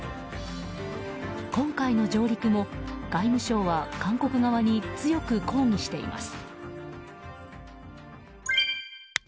今回の上陸も外務省は韓国側に強く抗議しています。